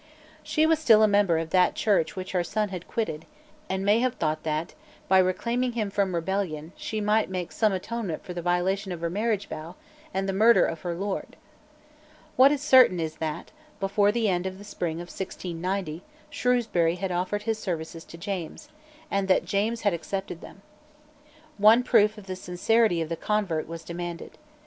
She was still a member of that Church which her son had quitted, and may have thought that, by reclaiming him from rebellion, she might make some atonement for the violation of her marriage vow and the murder of her lord, What is certain is that, before the end of the spring of 1690, Shrewsbury had offered his services to James, and that James had accepted them. One proof of the sincerity of the convert was demanded.